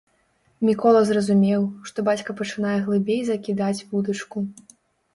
Мікола зразумеў, што бацька пачынае глыбей закідаць вудачку.